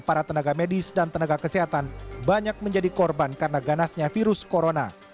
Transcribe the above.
para tenaga medis dan tenaga kesehatan banyak menjadi korban karena ganasnya virus corona